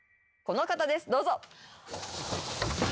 この方ですどうぞ。